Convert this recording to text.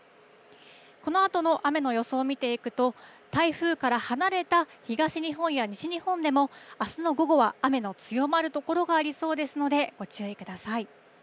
このあとの雨の予想を見ていくと、台風から離れた東日本や西日本でも、あすの午後は雨の強まる所がありそうですので、ご注意ください。